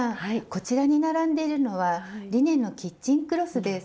こちらに並んでいるのはリネンのキッチンクロスです。